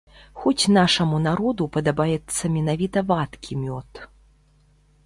Хоць нашаму народу падабаецца менавіта вадкі мёд.